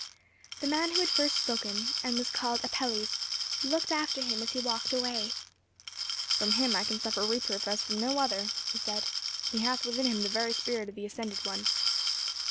The man who had first spoken, and who was called Apelles, looked after him as he walked away. "From him I can suffer reproof as from no other;" he said, "he hath within him the very spirit of the ascended One."